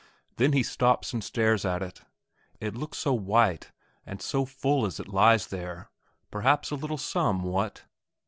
Then he stops and stares at it. It looks so white and so full as it lies there; perhaps a little sum what?